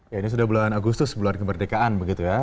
ya ini sudah bulan agustus bulan kemerdekaan begitu ya